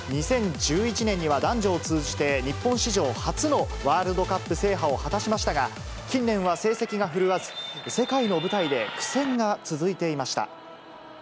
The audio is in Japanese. ２０１１年には、男女を通じて日本史上初のワールドカップ制覇を果たしましたが、近年は成績が振るわず、世界の舞台で苦戦が続いていました。